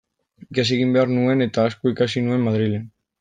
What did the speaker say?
Ikasi egin behar nuen, eta asko ikasi nuen Madrilen.